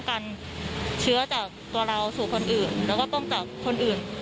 ไม่ดื้อไม่อะไรอย่างนี้